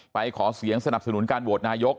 ขอเสียงสนับสนุนการโหวตนายก